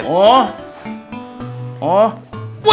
kenapa ini masih dengan kampung